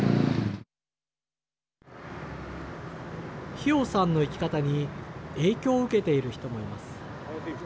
ヒヨウさんの生き方に影響を受けている人もいます。